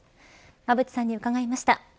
馬渕さんに伺いました。